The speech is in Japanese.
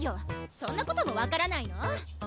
そんなこともわからないの？